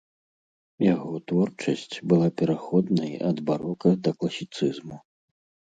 Яго творчасць была пераходнай ад барока да класіцызму.